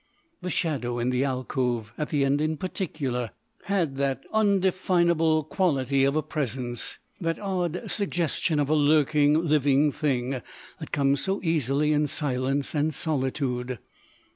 The shadow in the alcove, at the end in particular, had that undefinable quality of a presence, that odd suggestion of a lurking living thing, that comes so easily in silence and solitude.